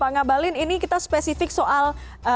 pak ngabalin ini kita spesifik soal